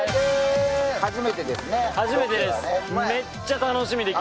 初めてですね。